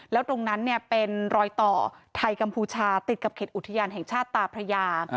แล้วตรงนั้นเป็นรอยต่อไทยกัมพูชาติดกับเขตอุทยานแห่งชาติตาพระยา